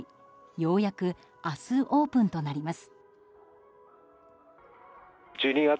ようやく、明日オープンとなります。